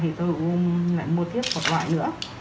thì tôi lại mua tiếp một loại nữa